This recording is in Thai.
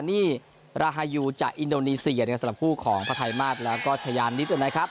นี่รหายูจากอินโดนีเซียสาหรับผู้ของพระไทยมากแล้วก็ชะยาน้ิดอ่ะนะครับ